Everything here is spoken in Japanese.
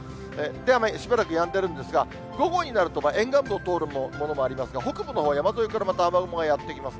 で、雨、しばらくやんでるんですが、午後になると、沿岸部を通るものもありますが、北部のほう、山沿いからまた雨雲がやって来ます。